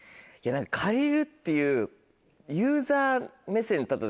借りるっていう。